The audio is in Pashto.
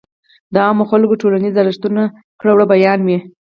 د عامو خلکو ټولنيز ارزښتونه ،کړه وړه بيان وي.